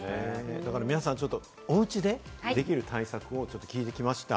皆さん、ちょっとおうちでできる対策を聞いてきました。